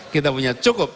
kita punya cukup